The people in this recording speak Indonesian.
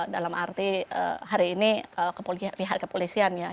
dalam arti hari ini pihak kepolisian ya